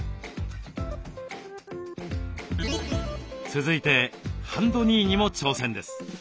続いてハンドニーにも挑戦です。